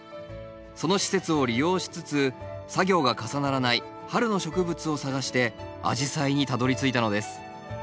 その施設を利用しつつ作業が重ならない春の植物を探してアジサイにたどりついたのです。